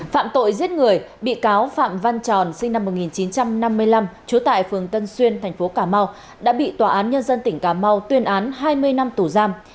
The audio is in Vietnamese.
phạm tội giết người bị cáo phạm văn tròn sinh năm một nghìn chín trăm năm mươi năm trú tại phường tân xuyên thành phố cà mau đã bị tòa án nhân dân tỉnh cà mau tuyên án hai mươi năm tù giam